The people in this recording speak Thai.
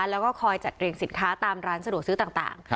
แล้วก็คอยจัดเรียงสินค้าตามร้านสะดวกซื้อต่าง